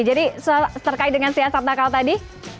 jadi terkait dengan siasat nakal tadi